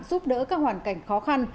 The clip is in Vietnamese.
giúp đỡ các hoàn cảnh khó khăn